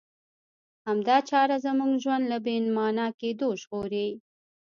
همدا چاره زموږ ژوند له بې مانا کېدو ژغوري.